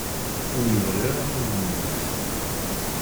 Ur yebɣi ara ad yemmet.